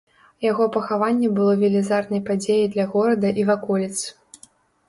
Яго пахаванне было велізарнай падзеяй для горада і ваколіц.